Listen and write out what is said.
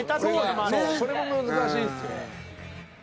それも難しいんすよね。